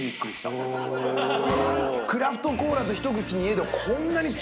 クラフトコーラと一口に言えど。